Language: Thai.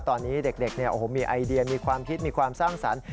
ตอนนี้เด็กมีไอเดียมีความคิดมีความสร้างสรรค์